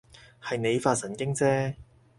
係你發神經啫